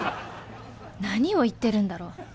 何を言ってるんだろう。